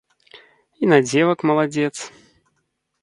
І на дзевак маладзец.